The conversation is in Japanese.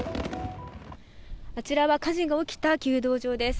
あちらは火事が起きた弓道場です。